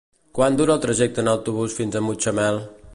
Quant dura el trajecte en autobús fins a Mutxamel?